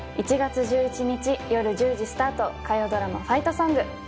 １月１１日夜１０時スタート火曜ドラマ「ファイトソング」